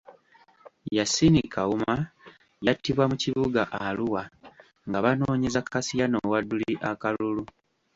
Yassin Kawuma yattibwa mu kibuga Arua nga banoonyeza Kassiano Wadri akalulu.